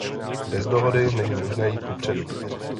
Bez dohody není možné jít kupředu.